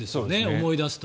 思い出すと。